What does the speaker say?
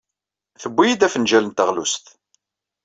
Tuwey-iyi-d afenjal n teɣlust.